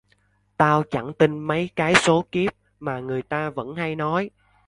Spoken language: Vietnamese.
tao chẳng tin mấy cái số kiếp mà người ta vẫn hay nói